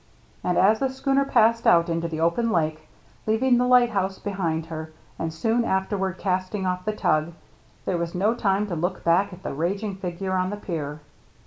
And as the schooner passed out into the open lake, leaving the lighthouse behind her, and soon afterward casting ofF the tug, there was no time to look back at the raging figure on the pier.